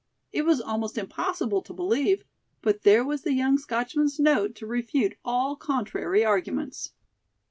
It was almost impossible to believe, but there was the young Scotchman's note to refute all contrary arguments.